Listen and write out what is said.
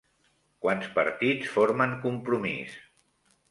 Quants partits formen Compromís?